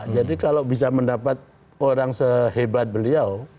jadi kalau bisa mendapat orang sehebat beliau